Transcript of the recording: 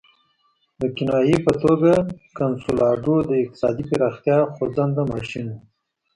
د کنایې په توګه کنسولاډو د اقتصادي پراختیا خوځنده ماشین وو.